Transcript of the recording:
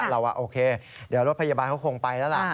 เราว่าโอเคเดี๋ยวรถพยาบาลเขาคงไปแล้วล่ะ